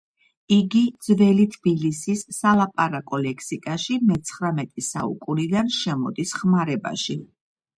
იგი ძველი თბილისის სალაპარაკო ლექსიკაში მეცხრამეტე საუკუნიდან შემოდის ხმარებაში.